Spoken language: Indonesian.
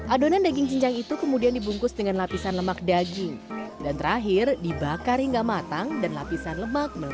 adonan daging cincang itu kemudian dibungkus dengan lapisan lemak daging dan terakhir dibakar hingga matang dan lapisan lemak melekat